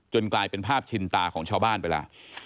กลายเป็นภาพชินตาของชาวบ้านไปแล้ว